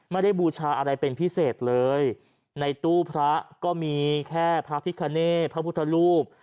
บูชาอะไรเป็นพิเศษเลยในตู้พระก็มีแค่พระพิคเนตพระพุทธรูป